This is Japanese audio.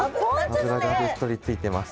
脂がべっとりついてます。